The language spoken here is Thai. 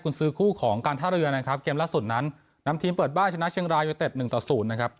คุณซื้อคู่ของการท่าเรือนะครับเกมล่าสุดนั้นนำทีมเปิดบ้านชนะเชียงรายยูเต็ดหนึ่งต่อศูนย์นะครับ